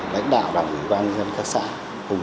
đánh đạo đảm ủy ban nhân dân khách sạn